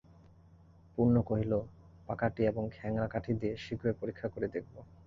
পূর্ণ কহিল, পাকাটি এবং খ্যাংরা কাঠি দিয়ে শীঘ্রই পরীক্ষা করে দেখব।